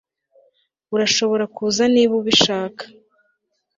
urashobora kuza niba ubishaka